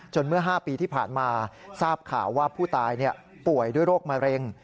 เมื่อ๕ปีที่ผ่านมาทราบข่าวว่าผู้ตายป่วยด้วยโรคมะเร็ง